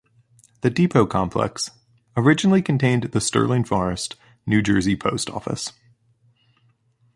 The depot complex originally contained the Sterling Forest, New Jersey post office.